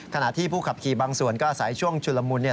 ขณะที่ผู้ขับขี่บางส่วนก็อาศัยช่วงชุลมุน